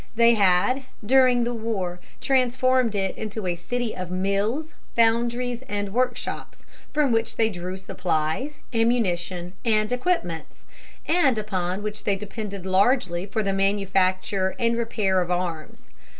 They had, during the war, transformed it into a city of mills, foundries, and workshops, from which they drew supplies, ammunition, and equipments, and upon which they depended largely for the manufacture and repair of arms.